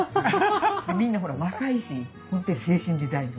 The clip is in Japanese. みんなほら若いし本当に青春時代。